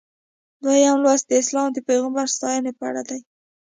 دویم لوست د اسلام د پیغمبر ستاینه په اړه دی.